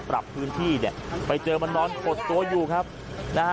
ปรับพื้นที่ไปเจอมันนอนกดตัวอยู่นะฮะ